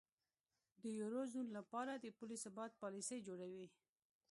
د یورو زون لپاره د پولي ثبات پالیسۍ جوړیږي.